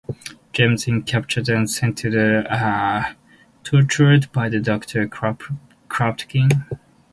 James is captured and sent to be tortured by Doctor Kropotkin.